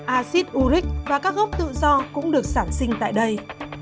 acid uric và các gốc tự do cũng được sản sinh tại đây